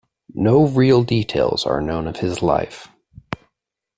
No real details are known of his life.